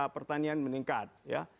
pertanian meningkat ya